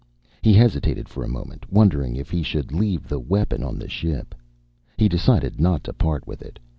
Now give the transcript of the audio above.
He hesitated for a moment, wondering if he should leave the weapon on the ship. He decided not to part with it.